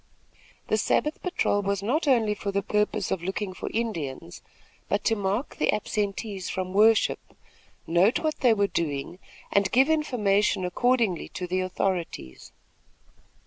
The Sabbath patrol was not only for the purpose of looking for Indians, but to mark the absentees from worship, note what they were doing, and give information accordingly to the authorities.